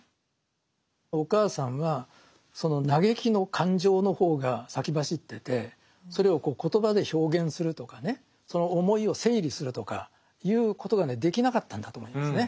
お母さんはその嘆きの感情の方が先走っててそれを言葉で表現するとかねその思いを整理するとかいうことがねできなかったんだと思いますね